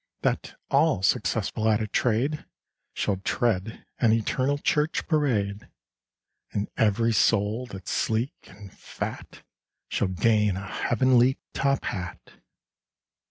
That all successful at a trade Shall tread an eternal Church Parade, And every soul that's sleek and fat Shall gain a heavenly top hat.